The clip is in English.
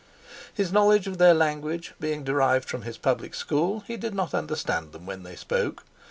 His knowledge of their language being derived from his public school, he did not understand them when they spoke.